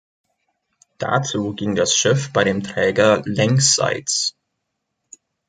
Dazu ging das Schiff bei dem Träger längsseits.